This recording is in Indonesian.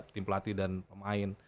tim pelatih dan pemain